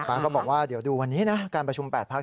ก็บอกว่าเดี๋ยวดูวันนี้นะการประชุม๘พัก